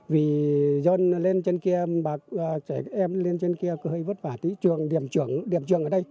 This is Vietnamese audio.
vì dân lên trên kia trẻ em lên trên kia có hơi vất vả tỷ trường điểm trường ở đây